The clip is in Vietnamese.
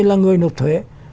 là người đột thuế